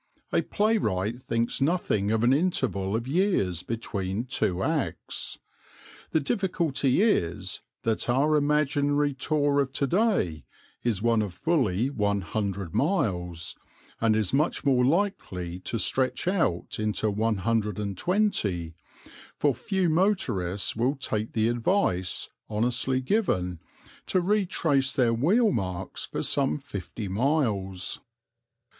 A playwright thinks nothing of an interval of years between two acts. The difficulty is that our imaginary tour of to day is one of fully one hundred miles, and is much more likely to stretch out into one hundred and twenty, for few motorists will take the advice, honestly given, to retrace their wheelmarks for some fifty miles.